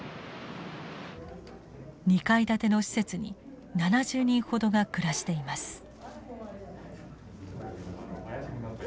２階建ての施設に７０人ほどが暮らしています。